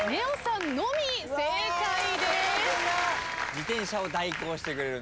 「自転車を代行してくれる」